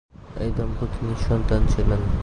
এই দম্পতি নিঃসন্তান ছিলেন।